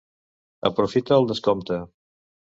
Aprofita el descompte!